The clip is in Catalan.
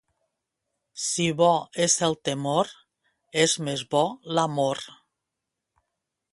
Si bo és el temor, és més bo l'amor.